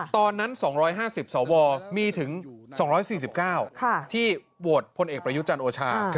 ตอนนั้น๒๕๐สวมีถึง๒๔๙ที่โหวตพลเอกประยุจันทร์โอชา